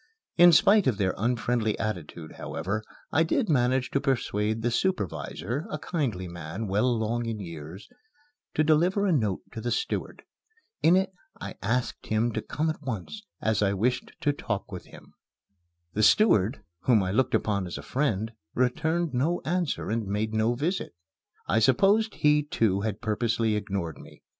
In spite of their unfriendly attitude, however, I did manage to persuade the supervisor, a kindly man, well along in years, to deliver a note to the steward. In it I asked him to come at once, as I wished to talk with him. The steward, whom I looked upon as a friend, returned no answer and made no visit. I supposed he, too, had purposely ignored me.